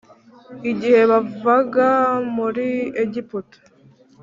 igihe bavaga muri Egiputa